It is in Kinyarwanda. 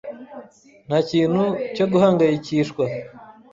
Nta kintu cyo guhangayikishwa.